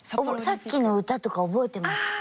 さっきの歌とか覚えてます。